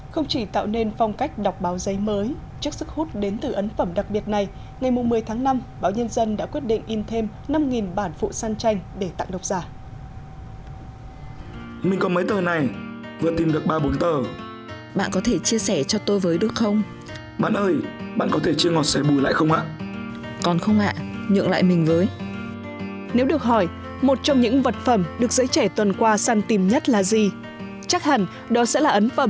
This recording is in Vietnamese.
không chỉ tạo nên phong cách đọc báo giấy mới trước sức hút đến từ ấn phẩm đặc biệt này ngày một mươi tháng năm báo nhân dân đã quyết định in thêm năm bản phụ săn tranh để tặng độc giả